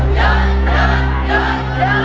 หยุดหยุดหยุด